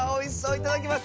いただきます。